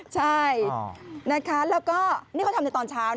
ใช่แล้วก็นี่เขาทำจากตอนเช้า